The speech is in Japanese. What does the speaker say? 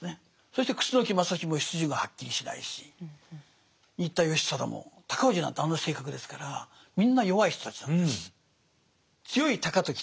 そして楠木正成も出自がはっきりしないし新田義貞も高氏なんてあんな性格ですからみんな弱い人たちなんです。